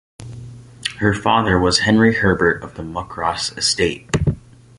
Her father was Henry Herbert of the Muckross estate.